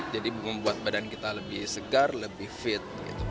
jadi membuat badan kita lebih segar lebih fit